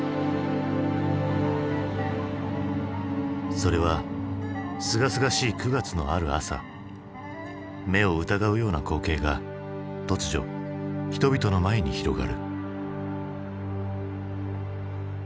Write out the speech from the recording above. それはすがすがしい９月のある朝目を疑うような光景が突如人々の前に広がる。